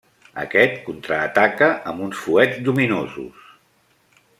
Aquest, contraataca amb uns fuets lluminosos.